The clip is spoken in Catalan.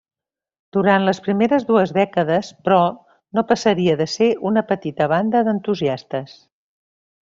Durant les dues primeres dècades, però, no passaria de ser una petita banda d'entusiastes.